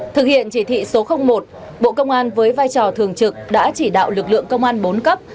thực hiện chỉ thị số một bộ công an với vai trò thường trực đã chỉ đạo lực lượng công an bốn cấp